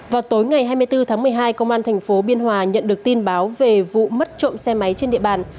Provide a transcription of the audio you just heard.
vào tối ngày hai mươi bốn tháng một mươi hai công an thành phố biên hòa nhận được tin báo về vụ mất trộm xe máy trên địa bàn